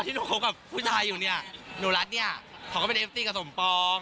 หนูคบกับผู้ชายอยู่เนี่ยหนูรัฐเนี่ยเขาก็เป็นเอฟตี้กับสมปอง